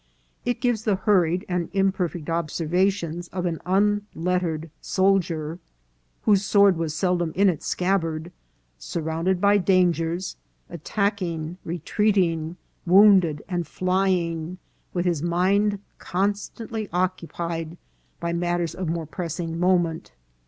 It gives the hurried and imperfect ob servations of an unlettered soldier, whose sword was seldom in its scabbard, surrounded by dangers, attack ing, retreating, wounded, and flying, with his mind con stantly occupied by matters of more pressing moment.